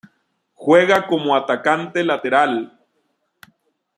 Juega como atacante lateral.